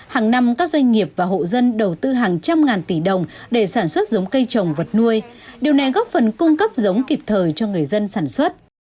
hàng năm các doanh nghiệp và hộ dân đầu tư hàng trăm ngàn tỷ đồng để sản xuất giống cây trồng vật nuôi điều này góp phần cung cấp giống kịp thời cho người dân sản xuất